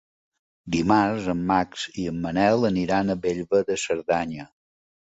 Dimarts en Max i en Manel aniran a Bellver de Cerdanya.